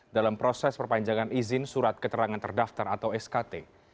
dalam proses perpanjangan izin surat keterangan terdaftar atau skt